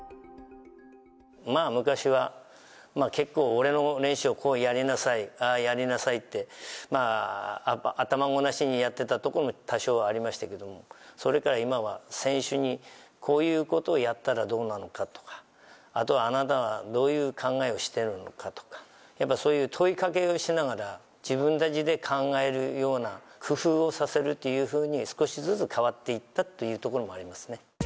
まあ昔は、まあ結構、俺の練習をこうやりなさい、ああやりなさいって、まあ頭ごなしにやっていたところも多少ありましたけれども、それから今は、選手にこういうことをやったらどうなのかとか、あとは、あなたはどういう考えをしているのかとか、やっぱそういう問いかけをしながら、自分たちで考えるような工夫をさせるというふうに少しずつ変わっていったというところもありますね。